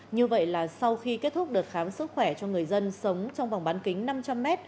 như vậy là sau khi kết thúc đợt khám sức khỏe cho người dân sống trong vòng bán kính năm trăm linh m